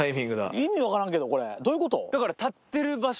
意味分からんけどこれどういうこと？